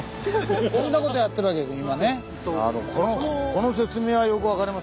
こんなことやってるわけです今ね。